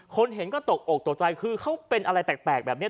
เห็นก็ตกอกตกใจคือเขาเป็นอะไรแปลกแบบนี้